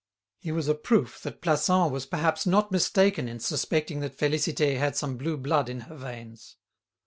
He was a proof that Plassans was perhaps not mistaken in suspecting that Félicité had some blue blood in her veins.